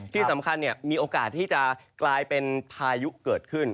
ที่สำคัญมีโอกาสที่จะกลายเป็นพายุเกิดขึ้น